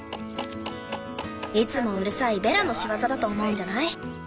いつもうるさいベラの仕業だと思うんじゃない？